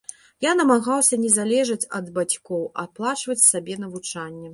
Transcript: Я намагаўся не залежаць ад бацькоў, аплачваць сабе навучанне.